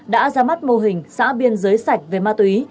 đã ra mắt mô hình xã biên giới sạch về ma túy